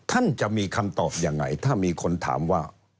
ท่านจะมีคำตอบยังไงถ้ามีคนถามว่า